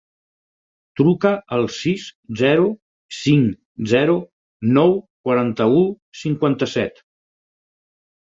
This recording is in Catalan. Truca al sis, zero, cinc, zero, nou, quaranta-u, cinquanta-set.